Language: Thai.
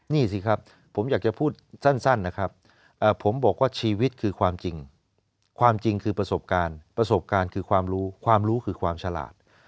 นี่สิครับผมอยากจะพูดสั้นนะครับผมบอกว่าชีวิตคือความจริงความจริงคือประสบการณ์ประสบการณ์คือความรู้ความรู้คือความฉลาด